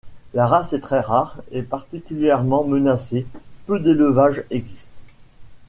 La race est très rare et particulièrement menacée, peu d'élevages existent.